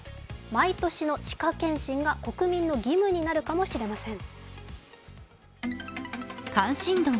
毎年の歯科検診が国民の義務になるかもしれません。